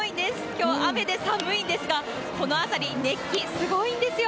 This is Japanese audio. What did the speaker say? きょう雨で寒いんですが、この辺り、熱気すごいんですよ。